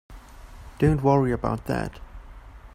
Don't worry about that.